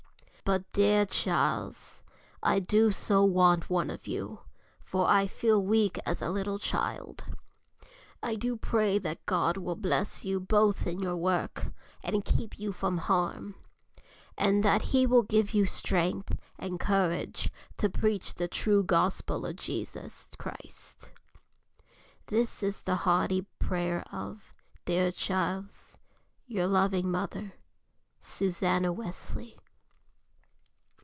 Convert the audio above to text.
"But, dear Charles, I do so want one of you, for I feel weak as a little child. I do pray that God will bless you both in your work, and keep you from harm; and that He will give you strength and courage to preach the true Gospel of Jesus Christ. "This is the hearty prayer of, dear Charles, "Your loving mother, "SUSANNA WESLEY."